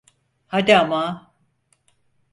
Hadi ama...